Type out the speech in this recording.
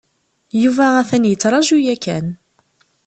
Yuba atan yettraju yakan.